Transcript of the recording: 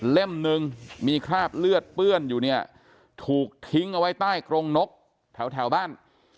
หนึ่งมีคราบเลือดเปื้อนอยู่เนี่ยถูกทิ้งเอาไว้ใต้กรงนกแถวบ้าน